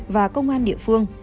và công an địa phương